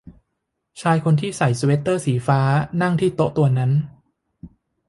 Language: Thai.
ชายคนที่ใส่สเวตเตอร์สีฟ้านั่งที่โต๊ะตัวนั้น